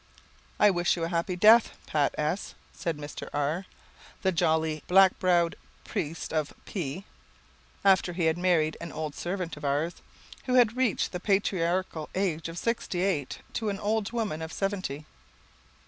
"I wish you a happy death, Pat S ," said Mr. R , the jolly, black browed priest of P , after he had married an old servant of ours, who had reached the patriarchal age of sixty eight, to an old woman of seventy.